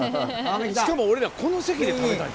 しかも俺らこの席で食べたんちゃう？